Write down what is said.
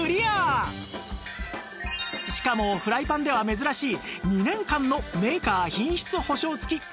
しかもフライパンでは珍しい２年間のメーカー品質保証付き